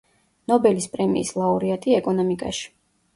ნობელის პრემიის ლაურეატი ეკონომიკაში.